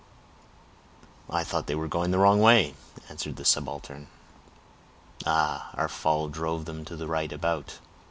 "I thought they were going the wrong way," answered the subaltern. "Ah! our fall drove them to the right about?"